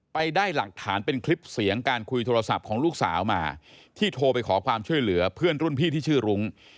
ไปได้หลักฐานเป็นคลิปเสียงการคุยโทรศัพท์ของลูกสาวมาที่โทรไปขอความช่วยเหลือเพื่อนรุ่นพี่ที่ชื่อรุ้ง